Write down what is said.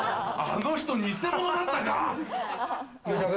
あの人、偽物だったか。